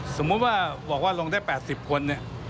สมมุติว่าบอกว่าลงได้๘๐คน